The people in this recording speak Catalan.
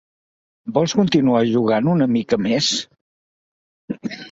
Vols continuar jugant una mica més?